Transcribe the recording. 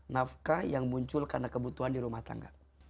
nafkah yang muncul karena kebutuhan di rumah tangga